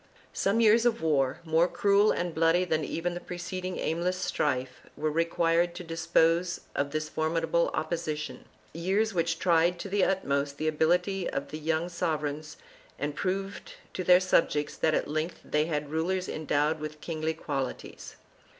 Some years of war, more cruel and bloody than even the preceding aimless strife, were required to dispose of this formidable opposition — years which tried to the utmost the ability of the young sovereigns and proved to their subjects that at length they had rulers endowed with kingly qualities.